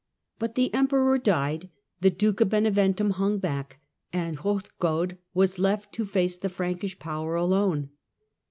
But the Emperor died, the Duke of Beneventum hung back, and Hrodgaud was left to face the Frankish power alone.